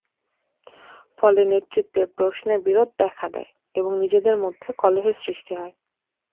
ফলে নেতৃত্বের প্রশ্নে বিরোধ দেখা দেয় এবং নিজেদের মধ্যে কলহের সৃষ্টি হয়।